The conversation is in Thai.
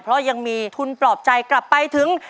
โดยการแข่งขาวของทีมเด็กเสียงดีจำนวนสองทีม